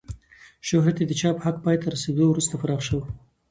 شهرت یې د چاپ حق پای ته رسېدو وروسته پراخ شو.